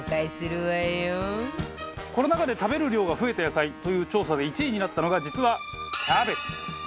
コロナ禍で食べる量が増えた野菜という調査で１位になったのが実はキャベツ。